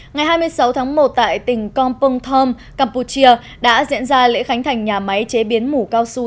ngày hai mươi sáu tháng một tại tỉnh kompong thom campuchia đã diễn ra lễ khánh thành nhà máy chế biến mủ cao su